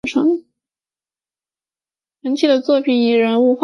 陈奇的作品以人物画和油画见长。